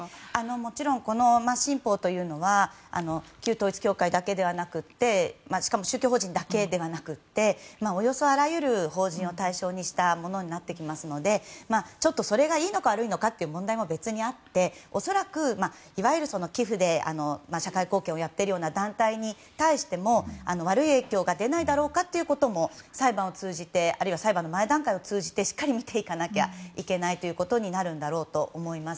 もちろんこの新法というのは旧統一教会だけではなくてしかも宗教法人だけではなくておよそあらゆる法人を対象にしたものになってきますのでちょっとそれがいいのか悪いのかという問題は別にあって恐らくいわゆる寄付で社会貢献をやっているような団体に対しても悪い影響が出ないだろうかということも裁判を通じてあるいは裁判の前段階を通じてしっかり見ていかなきゃいけないということになるんだろうと思います。